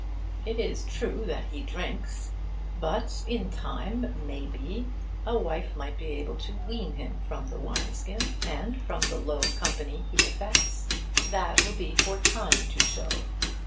It is true that he drinks. But in time, may be, a wife might be able to wean him from the wine skin, and from the low company he affects. That will be for time to show.